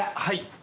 はい。